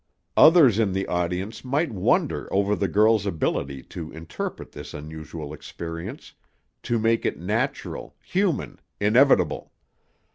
Others in the audience might wonder over the girl's ability to interpret this unusual experience, to make it natural, human, inevitable.